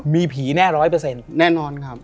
มีผีแน่๑๐๐แน่นอนครับ